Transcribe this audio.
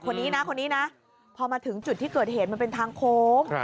คนนี้นะคนนี้นะพอมาถึงจุดที่เกิดเหตุมันเป็นทางโค้ง